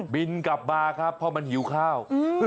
บินกลับมาครับเพราะมันหิวข้าว